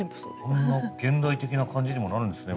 こんな現代的な感じにもなるんですね